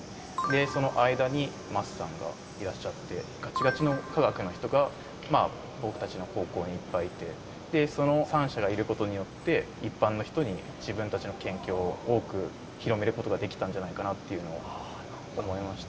その間に桝さんがいらっしゃって、がちがちの科学の人が、僕たちの高校にいっぱいいて、その３者がいることによって、一般の人に自分たちの研究を多く広めることができたんじゃないかなっていうのを思いました。